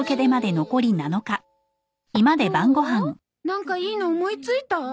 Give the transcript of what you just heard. なんかいいの思いついた？